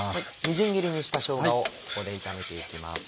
みじん切りにしたしょうがをここで炒めて行きます。